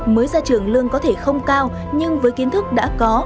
mới ra trường lương có thể không cao nhưng với kiến thức đã có